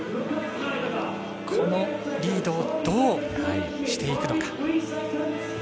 このリードをどうしていくのか。